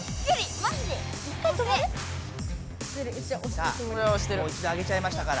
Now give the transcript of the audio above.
さあもういちど上げちゃいましたから。